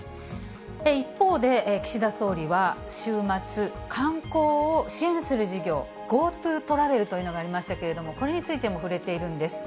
一方で、岸田総理は週末、観光を支援する事業、ＧｏＴｏトラベルというのがありましたけれども、これについても触れているんです。